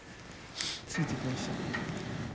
ついてきましたね。